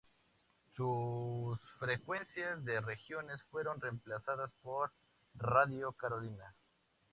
Sus frecuencias de regiones fueron reemplazadas por Radio Carolina.